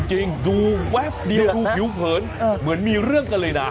จริงดูแวบเดียวผิวเผินเหมือนมีเรื่องกันเลยนะ